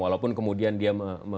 walaupun kemudian dia